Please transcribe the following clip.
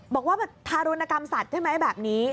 บอกว่าทารุณกรรมสัตว์ใช่ไหมแบบนี้